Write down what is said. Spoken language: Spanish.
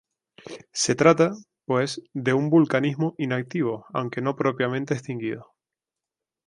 Se trata, pues, de un vulcanismo inactivo, aunque no propiamente extinguido.